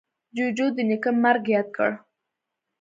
جوجو د نیکه مرگ ياد کړ.